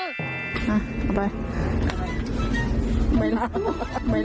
สำหรับพี่จ้ะต้องใบนี้